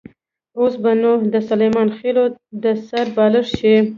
اوس به نو د سلیمان خېلو د سر بالښت شي.